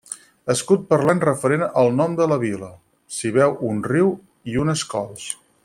Escut parlant referent al nom de la vila: s'hi veu un riu i unes cols.